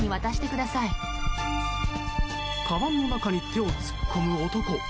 かばんの中に手を突っ込む男。